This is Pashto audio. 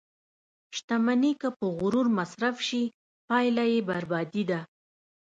• شتمني که په غرور مصرف شي، پایله یې بربادي ده.